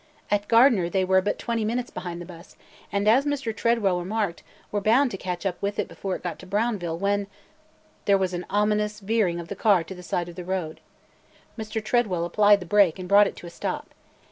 At Gardner they were but twenty minutes behind the bus, and, as Mr. Tredwell remarked, were bound to catch up with it before it got to Brownville, when – there was an ominous veering of the car to the side of the road. Mr. Tredwell applied the brake and brought it to a stop.